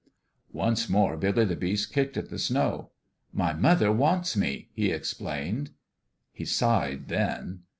Once more Billy the Beast kicked at the snow. " My mother wants me," he explained. He sighed then.